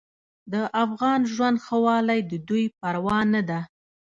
د افغان ژوند ښهوالی د دوی پروا نه ده.